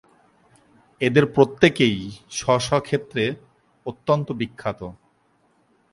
এদের প্রত্যেকেই স্ব-স্ব ক্ষেত্রে অত্যন্ত বিখ্যাত।